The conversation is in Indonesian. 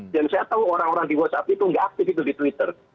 dan saya tahu orang orang di whatsapp itu nggak aktif itu di twitter